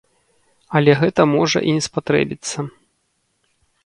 Але гэта можа і не спатрэбіцца.